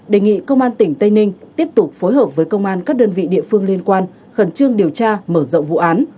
đề nghị công an tỉnh tây ninh tiếp tục phối hợp với công an các đơn vị địa phương liên quan khẩn trương điều tra mở rộng vụ án